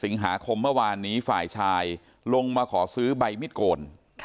สิงหาคมเมื่อวานนี้ฝ่ายชายลงมาขอซื้อใบมิดโกน